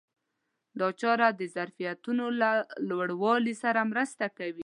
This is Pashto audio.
دا چاره د ظرفیتونو له لوړاوي سره مرسته کوي.